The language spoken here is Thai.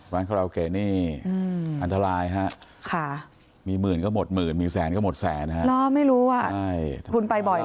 วานคอลาวเกเนี่ยอันทรายค่ะมีหมื่นก็หมดหมื่นมีแสนก็หมดแสนค่ะคุณไปบ่อยเหรอ